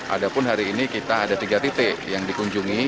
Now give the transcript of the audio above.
ada pun hari ini kita ada tiga titik yang dikunjungi